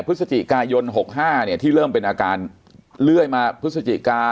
พฤศจิกายน๖๕เนี่ยที่เริ่มเป็นอาการเรื่อยมาพฤศจิกา